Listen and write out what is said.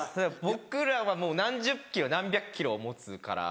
僕らはもう何十ｋｇ何百ｋｇを持つから。